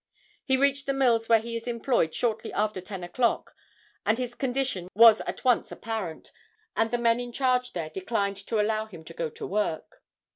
He reached the mills where he is employed shortly after 10 o'clock, and his condition was at once apparent, and the men in charge there declined to allow him to go to work.